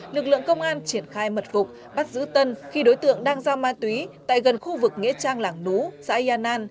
lực lượng công an triển khai mật phục bắt giữ tân khi đối tượng đang giao ma túy tại gần khu vực nghĩa trang làng nú xã yên an